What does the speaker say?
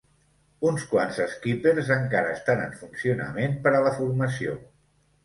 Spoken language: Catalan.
Uns quants Skippers encara estan en funcionament per a la formació.